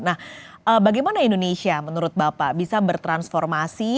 nah bagaimana indonesia menurut bapak bisa bertransformasi